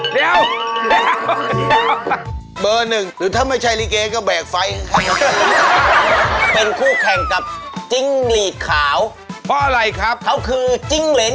เขาคือจิ้งเหรียญเขียวยี่โอปัมเจ็ต